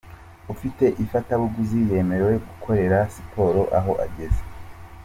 Ufite ifatabuguzi yemerewe gukorera siporo aho ageze.